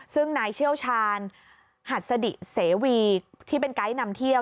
ซึ่งนายเชี่ยวชาญหัสดิเสวีที่เป็นไกด์นำเที่ยว